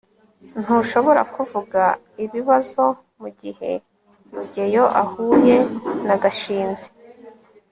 ntushobora kuvuga ibizaba mugihe rugeyo ahuye na gashinzi